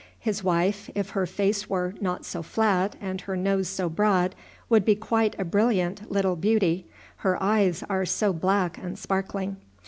His wife, if her face were not so flat and her nose so broad, would be quite a brilliant little beauty, her eyes are so black and sparkling.